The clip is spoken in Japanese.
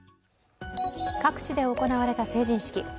各地で行われた成人式